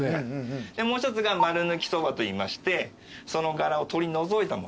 でもう一つが丸抜きそばといいましてその殻を取り除いたものですね。